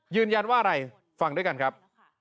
ยืนยันว่าอะไรฟังด้วยกันครับ